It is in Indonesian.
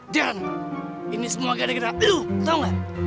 dan ini semua gara gara lo tau gak